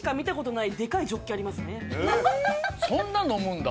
そんな飲むんだ。